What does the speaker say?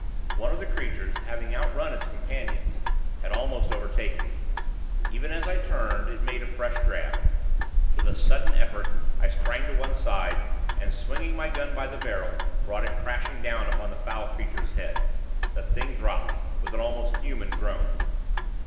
One of the creatures, having outrun its companions, had almost overtaken me. Even as I turned, it made a fresh grab. With a sudden effort, I sprang to one side, and, swinging my gun by the barrel, brought it crashing down upon the foul creature's head. The Thing dropped, with an almost human groan.